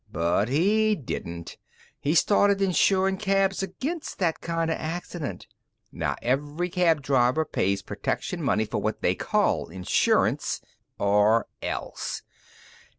But he didn't. He started insurin' cabs against that kinda accident. Now every cab driver pays protection money for what they call insurance or else.